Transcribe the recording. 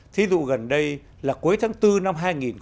thí dụ gần đây là cuối tháng bốn năm hai nghìn một mươi sáu